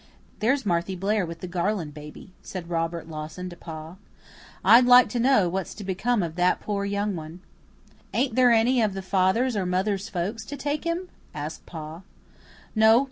"There's Marthy Blair with the Garland Baby," said Robert Lawson to Pa. "I'd like to know what's to become of that poor young one!" "Ain't there any of the father's or mother's folks to take him?" asked Pa. "No.